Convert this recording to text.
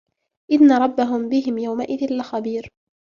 إِنَّ رَبَّهُمْ بِهِمْ يَوْمَئِذٍ لَخَبِيرٌ